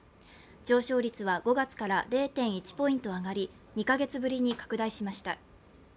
上昇率は５月から０．１ポイント上がり２か月ぶりに拡大しました。